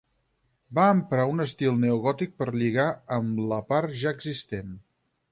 Va emprar un estil neogòtic per lligar amb la part ja existent.